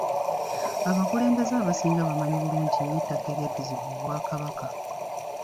Abakulembeze abasinga bamanyi bulungi nnyo ettaka eryaddizibwa Obwakabaka.